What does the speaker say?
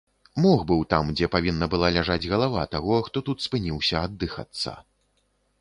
Мох быў там, дзе павінна была ляжаць галава таго, хто тут спыніўся аддыхацца.